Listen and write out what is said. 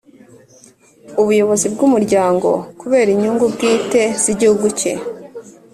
ubuyobozi bw'umuryango kubera inyungu bwite z'igihugu cye.